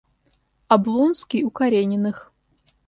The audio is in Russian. Облонский у Карениных.